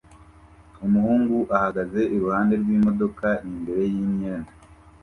Umuhungu ahagaze iruhande rw'imodoka imbere y'imyenda